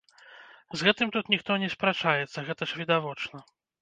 З гэтым тут ніхто не спрачаецца, гэта ж відавочна.